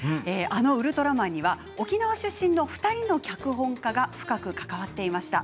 あの「ウルトラマン」の裏には沖縄出身の２人の脚本家が深く関わっていました。